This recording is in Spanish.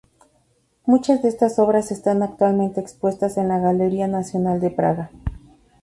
Muchas de estas obras están actualmente expuestas en la Galería Nacional de Praga.